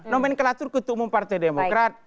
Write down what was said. nomen klatur ketua umum partai demokrat